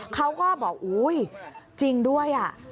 เขาก็บอกอุ๊ยจริงด้วย